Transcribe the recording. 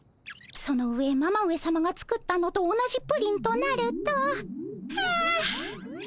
その上ママ上さまが作ったのと同じプリンとなると。はあはっこれは。